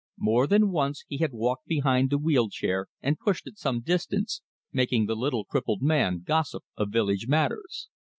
More than once he had walked behind the wheel chair and pushed it some distance, making the little crippled man gossip of village matters.